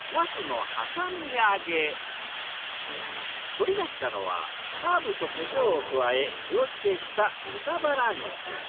取り出したのはハーブとコショウを加え塩漬けした豚バラ肉。